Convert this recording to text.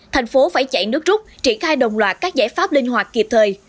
thành phố phải chạy nước rút triển khai đồng loạt các giải pháp linh hoạt kịp thời